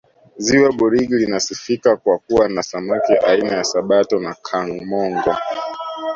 ziwa burigi linasifika kwa kuwa na samaki aina ya sato na kamongo